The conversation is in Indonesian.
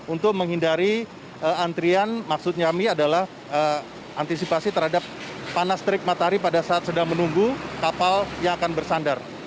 untuk menghindari antrian maksudnya ini adalah antisipasi terhadap panas terik matahari pada saat sedang menunggu kapal yang akan bersandar